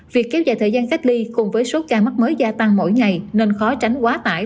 việc kéo dài thời gian cách ly cùng với số ca mắc mới gia tăng mỗi ngày nên khó tránh quá tải